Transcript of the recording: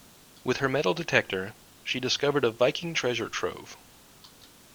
With her metal detector she discovered a Viking treasure trove.